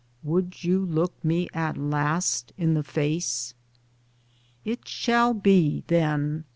would you look me at last in the face? It shall be then.